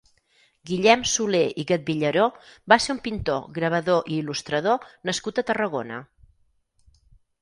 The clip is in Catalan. Guillem Soler i Gatvillaró va ser un pintor, gravador i il·lustrador nascut a Tarragona.